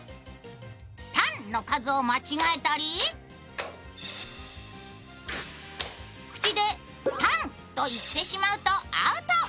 タンの数を間違えたり、口で「タン」と言ってしまうとアウト。